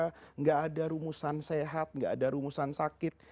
tidak ada rumusan sehat tidak ada rumusan sakit